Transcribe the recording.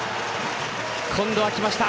今度はきました。